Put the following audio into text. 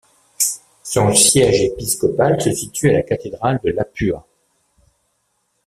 Son siège épiscopal se situe à la cathédrale de Lapua.